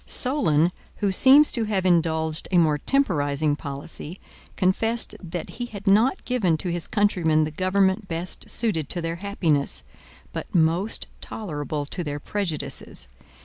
Solon, who seems to have indulged a more temporizing policy, confessed that he had not given to his countrymen the government best suited to their happiness, but most tolerable to their prejudices.